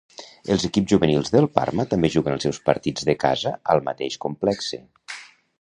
Els equips juvenils del Parma també juguen els seus partits de casa al mateix complexe.